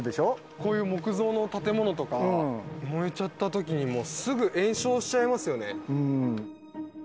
こういう木造の建物とか燃えちゃった時にすぐ延焼しちゃいますよね。